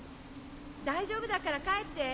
大丈夫だから帰って。